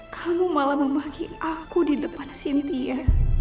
kamu malah membagi aku di depan cynthia